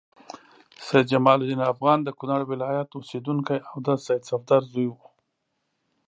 سید جمال الدین افغان د کونړ ولایت اوسیدونکی او د سید صفدر زوی و.